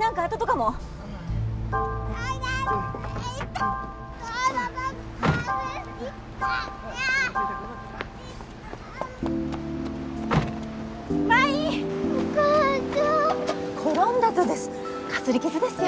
かすり傷ですよ。